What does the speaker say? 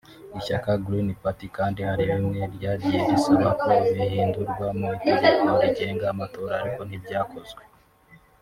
Ishyaka Green Party kandi hari bimwe ryagiye risaba ko bihindurwa mu itegeko rigenga amatora ariko ntibyakozwe